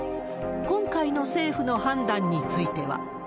今回の政府の判断については。